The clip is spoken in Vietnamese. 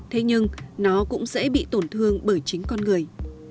thế nhưng nó cũng dễ bị tổn thương bởi chính con người